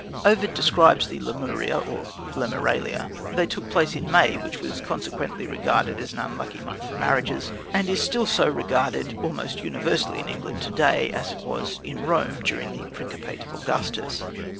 Ovid describes the Lemuria or Lemuralia. They took place in May, which was consequently regarded as an unlucky month for marriages, and is still so regarded almost as universally in England to day as it was in Rome during the principate of Augustus.